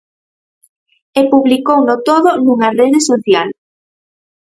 E publicouno todo nunha rede social.